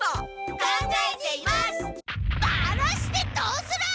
ばらしてどうする！？